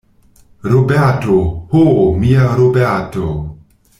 Roberto, ho, mia Roberto!